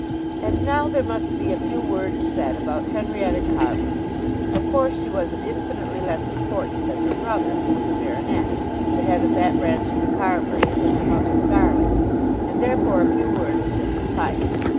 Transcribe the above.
And now there must be a few words said about Henrietta Carbury. Of course she was of infinitely less importance than her brother, who was a baronet, the head of that branch of the Carburys, and her mother's darling; and, therefore, a few words should suffice.